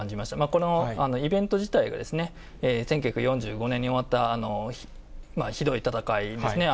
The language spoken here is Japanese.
このイベント自体がですね、１９４５年に終わったひどい戦いですね、